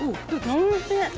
おいしい？